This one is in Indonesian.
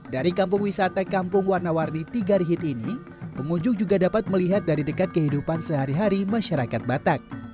dari kampung wisata kampung warna warni tiga rihit ini pengunjung juga dapat melihat dari dekat kehidupan sehari hari masyarakat batak